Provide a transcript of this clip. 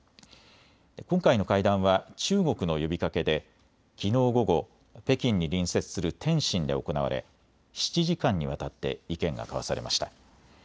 今回の会談は中国の呼びかけできのう午後、北京に隣接する天津で行われ７時間にわたって意見が交わされました。